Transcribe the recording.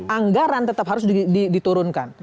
anggaran tetap harus diturunkan